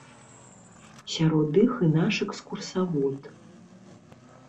Сярод іх і наш экскурсавод.